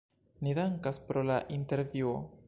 Ni dankas pro la intervjuo.